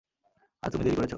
আর তুমি দেরি করেছ।